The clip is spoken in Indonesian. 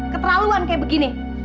keterlaluan kayak begini